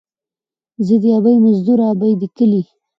ـ زه دې ابۍ مزدوره ، ابۍ دې کلي.